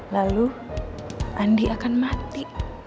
lalu andi akan mati